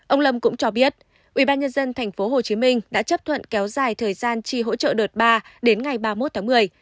ông lâm cũng cho biết ubnd tp hcm đã chấp thuận kéo dài thời gian chi hỗ trợ đợt ba đến ngày ba mươi một tháng một mươi